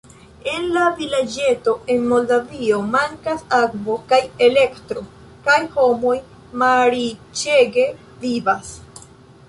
En vilaĝeto en Moldavio mankas akvo kaj elektro kaj homoj malriĉege vivas.